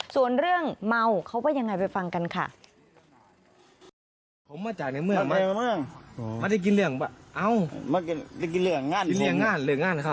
ส่วนเรื่องเมาเขาว่ายังไงไปฟังกันค่ะ